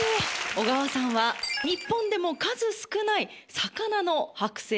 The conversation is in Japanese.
小川さんは日本でも数少ない魚のはく製作家さんなんです。